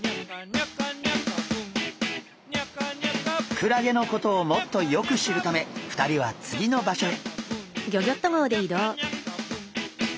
クラゲのことをもっとよく知るため２人は次の場所へ。